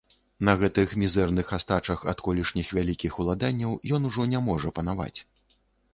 На гэтых мізэрных астачах ад колішніх вялікіх уладанняў ён ужо не можа панаваць.